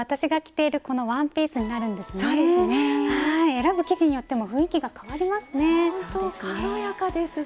選ぶ生地によっても雰囲気が変わりますね。